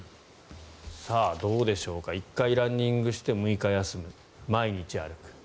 さあ、どうでしょうか１回ランニングして６日休む毎日歩く。